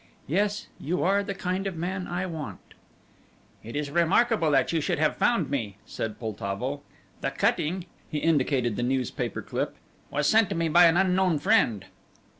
Yes, you are the kind of man I want." "It is remarkable that you should have found me," said Poltavo. "The cutting" he indicated the newspaper clip "was sent to me by an unknown friend."